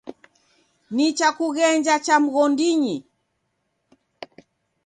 Nichakughenja cha mghondinyi.